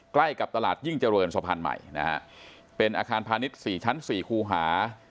ใกล้กับตลาดยิ่งเจริญสะพานใหม่นะฮะเป็นอาคารพาณิชย์๔ชั้น๔คูหา